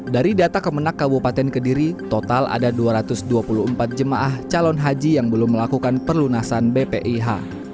dari data kemenang kabupaten kediri total ada dua ratus dua puluh empat jemaah calon haji yang belum melakukan perlunasan bpih